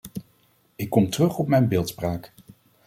Ik kom terug tot mijn beeldspraak.